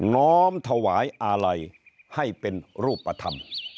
้อมถวายอาลัยให้เป็นรูปธรรม